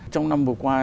trong năm vừa qua